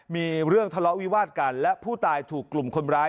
มีเรื่องทะเลาะวิวาดกันและผู้ตายถูกกลุ่มคนร้าย